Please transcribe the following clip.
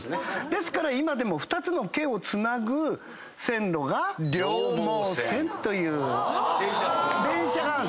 ですから今でも２つの毛をつなぐ線路が両毛線という電車がある。